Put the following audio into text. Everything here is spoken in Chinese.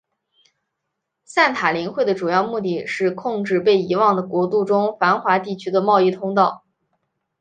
散塔林会的主要目的是控制被遗忘的国度中繁华地区的贸易通道。